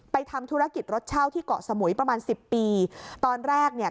ทำธุรกิจรถเช่าที่เกาะสมุยประมาณสิบปีตอนแรกเนี่ย